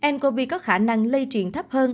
ncov có khả năng lây truyền thấp hơn